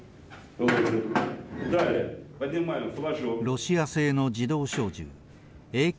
ロシア製の自動小銃ＡＫ−４７